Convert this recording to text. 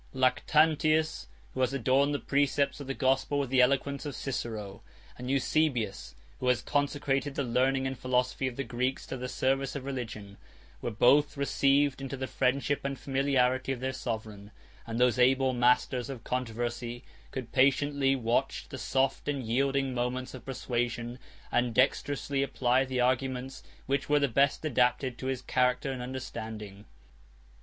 56 Lactantius, who has adorned the precepts of the gospel with the eloquence of Cicero, 57 and Eusebius, who has consecrated the learning and philosophy of the Greeks to the service of religion, 58 were both received into the friendship and familiarity of their sovereign; and those able masters of controversy could patiently watch the soft and yielding moments of persuasion, and dexterously apply the arguments which were the best adapted to his character and understanding.